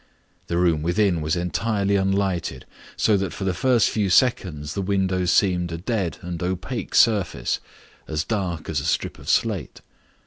The room within was entirely unlighted, so that for the first few seconds the window seemed a dead and opaque surface, as dark as a strip of slate.